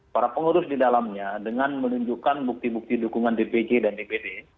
para pengurus di dalamnya dengan menunjukkan bukti bukti dukungan dpc dan dpd